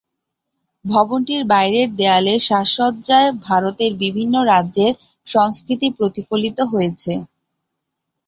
ভবনটির বাইরের দেওয়ালের সাজসজ্জায় ভারতের বিভিন্ন রাজ্যের সংস্কৃতি প্রতিফলিত হয়েছে।